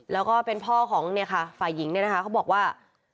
แล้วก็เป็นพ่อของเนี่ยค่ะฝ่ายหญิงเนี่ยนะคะเขาบอกว่า